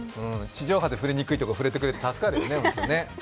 地上波でふりにくいところ触れてくれて、助かるよね。